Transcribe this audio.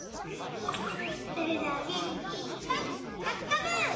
それじゃあげんきいっぱい「ピカピカブ！」。